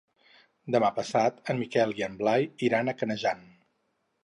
Demà passat en Miquel i en Blai iran a Canejan.